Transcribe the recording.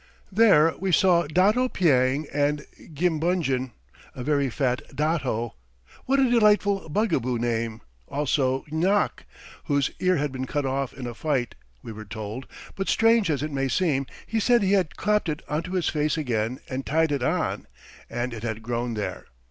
There we saw Dato Piang and Gimbungen, a very fat dato what a delightful bug a boo name also Ynock, whose ear had been cut off in a fight, we were told; but strange as it may seem, he said he had clapped it onto his face again and tied it on, and it had grown there.